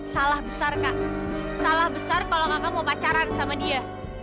salah besar kak salah besar kalau kakak mau pacaran sama dia